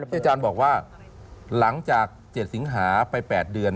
อาจารย์บอกว่าหลังจาก๗สิงหาไป๘เดือน